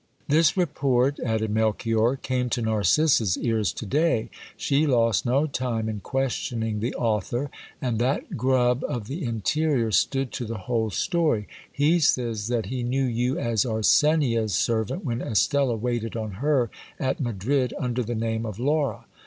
This report, added Melchior, came to Narcissa's ears to day : she lost no time in questioning the author ; and that grub of the interior stood to the whole story. He says that he knew you as Arsenia's servant, when Estella waited on her at Madrid under the name of Laura.